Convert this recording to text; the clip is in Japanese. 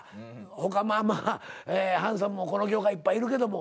他まあまあハンサムもこの業界いっぱいいるけども。